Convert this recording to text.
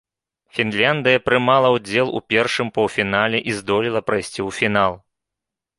Фінляндыя прымала ўдзел у першым паўфінале і здолела прайсці ў фінал.